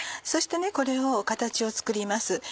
そしてこれを形を作ります。